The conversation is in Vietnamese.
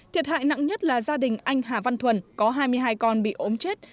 thiệt hại nặng nhất là gia đình anh hà văn thuần có hai mươi hai con bị ốm chết